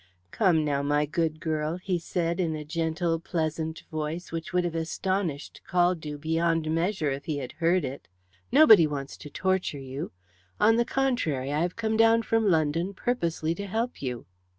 "Come now, my good girl," he said in a gentle pleasant voice which would have astonished Caldew beyond measure if he had heard it, "nobody wants to torture you. On the contrary, I have come down from London purposely to help you."